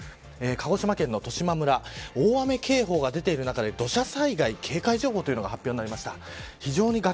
鹿児島県の十島村大雨警報が出ている中で土砂災害警戒情報が発表になりました。